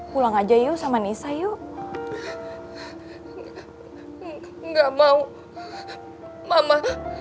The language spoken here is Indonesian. pulang aja yuk sama nisa yuk nggak mau mama